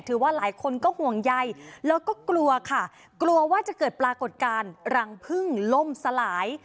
ว่าหลายคนก็ห่วงใยแล้วก็กลัวค่ะกลัวว่าจะเกิดปรากฏการณ์รังพึ่งล่มสลาย